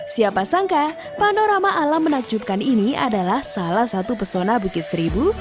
siapa sangka panorama alam menakjubkan ini adalah salah satu pesona bukit seribu